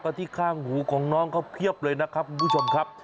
ที่ข้างหูของน้องเขาเพียบเลยนะครับคุณผู้ชมครับ